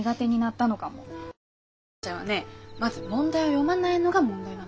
お姉ちゃんはねまず問題を読まないのが問題なの。